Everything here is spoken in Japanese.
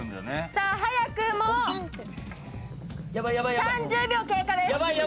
さぁ、早くも３０秒経過です。